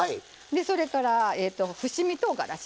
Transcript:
それから、伏見とうがらし